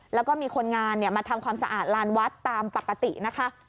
แล้วก็มีคนงานมาทำความสะอาดลานวัดตามปกตินะคะ